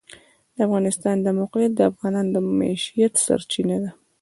د افغانستان د موقعیت د افغانانو د معیشت سرچینه ده.